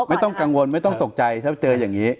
ไม่ต้องกังวลไม่ต้องตกใจถ้าเจออย่างนี้